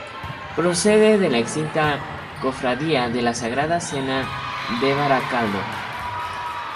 Procede de la extinta Cofradía de la Sagrada Cena de Baracaldo.